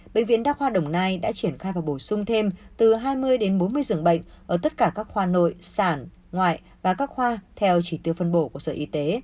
bệnh viện đa khoa đồng nai đã triển khai và bổ sung thêm từ hai mươi đến bốn mươi giường bệnh ở tất cả các khoa nội sản ngoại và các khoa theo chỉ tiêu phân bổ của sở y tế